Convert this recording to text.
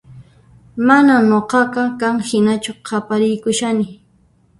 Manan nuqaqa qan hinachu qapariykushani